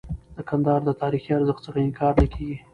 د کندهار د تاریخي ارزښت څخه انکار نه کيږي.